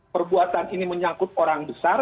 perbuatan ini menyangkut orang besar